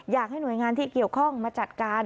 อยากให้หน่วยงานที่เกี่ยวข้องมาจัดการ